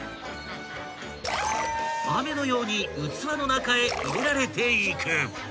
［雨のように器の中へ入れられていく］